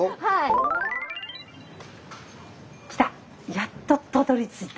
やっとたどりついた。